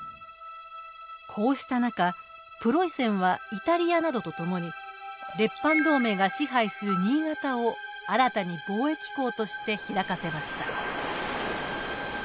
こうした中プロイセンはイタリアなどと共に列藩同盟が支配する新潟を新たに貿易港として開かせました。